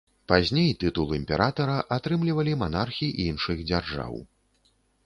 Пазней тытул імператара атрымлівалі манархі іншых дзяржаў.